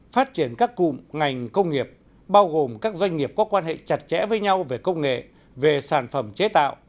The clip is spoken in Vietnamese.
phát triển các cụm ngành công nghiệp bao gồm các doanh nghiệp có quan hệ chặt chẽ với nhau về công nghệ về sản phẩm chế tạo